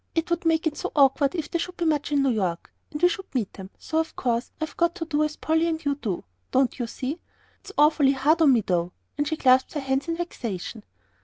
"It would make it so awkward if they should be much in New York, and we should meet. So of course I've got to do as Polly and you do. Don't you see? it's awfully hard on me, though," and she clasped her hands in vexation.